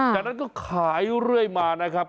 จากนั้นก็ขายเรื่อยมานะครับ